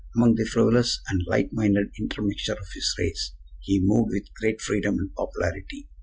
Among the frivolous and light minded intermixture of his race he moved with great freedom and popularity.